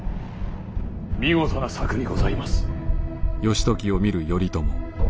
見事な策にございます。